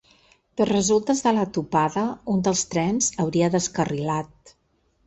De resultes de la topada un dels trens hauria descarrilat.